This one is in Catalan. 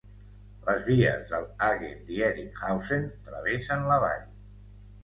Les vies del Hagen-Dieringhausen travessen la vall.